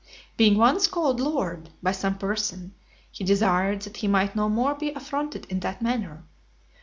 Being once called "lord," by some person, he desired that he might no more be affronted in that manner.